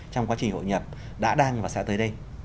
trong quá trình hội nhập đã đang và sẽ tới đây